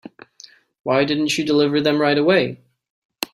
Why didn't you deliver them right away?